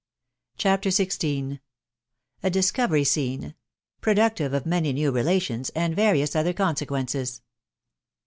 CHAPTER XVL A DISCOVERY SCENE — PRODUCTIVE OP MANY MEW AXLATIOBS, AS* VARIOUS OTHER CONSEQUENCE*.